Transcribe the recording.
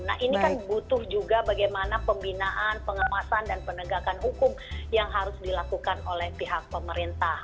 nah ini kan butuh juga bagaimana pembinaan pengawasan dan penegakan hukum yang harus dilakukan oleh pihak pemerintah